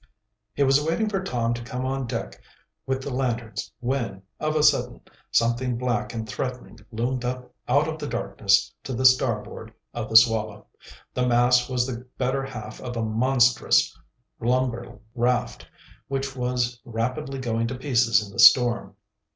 He was waiting for Tom to come on deck with the lanterns when, of a sudden, something black and threatening loomed up out of the darkness to the starboard of the Swallow. The mass was the better half of a monstrous lumber raft, which was rapidly going to pieces in the storm.